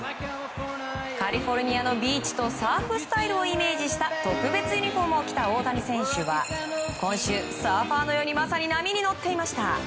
カリフォルニアのビーチとサーフスタイルをイメージした特別ユニホームを着た大谷選手は今週サーファーのようにまさに波に乗っていました。